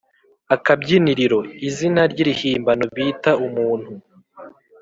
akabyiniriro: izina ry’irihimbano bita umuntu